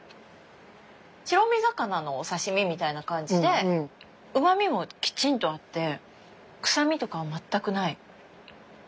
白身魚のお刺身みたいな感じでうまみもきちんとあって臭みとかは全くない。